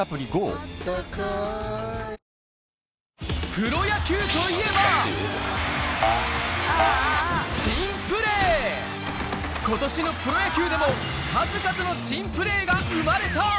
プロ野球といえば今年のプロ野球でも数々の珍プレーが生まれた！